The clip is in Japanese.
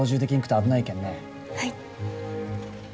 はい。